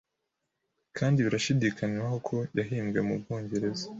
kandi birashidikanywaho ko yahimbwe mu Bwongereza